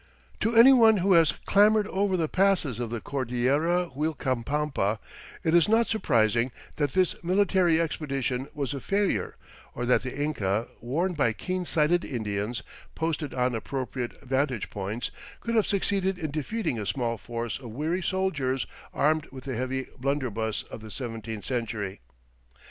To any one who has clambered over the passes of the Cordillera Uilcapampa it is not surprising that this military expedition was a failure or that the Inca, warned by keen sighted Indians posted on appropriate vantage points, could have succeeded in defeating a small force of weary soldiers armed with the heavy blunderbuss of the seventeenth century.